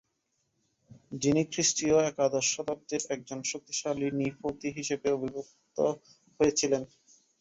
যিনি খ্রিস্টীয় একাদশ শতাব্দির একজন শক্তিশালী নৃপতি হিসেবে আবির্ভুত হয়ে ছিলেন।